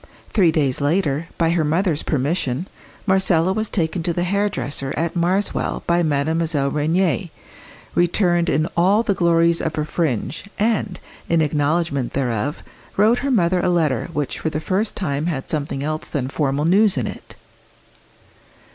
Three days later, by her mother's permission, Marcella was taken to the hairdresser at Marswell by Mademoiselle Rénier, returned in all the glories of a "fringe," and, in acknowledgment thereof, wrote her mother a letter which for the first time had something else than formal news in it.